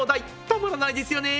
たまらないですよね。